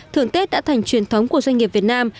thưởng tết đã thành truyền thống của doanh nghiệp việt nam